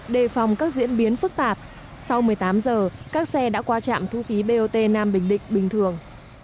đề phòng các diễn biến phức tạp sau một mươi tám giờ các xe đã qua trạm thu phí bot nam bình định bình thường